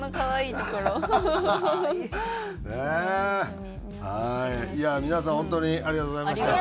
いやあ皆さん本当にありがとうございました。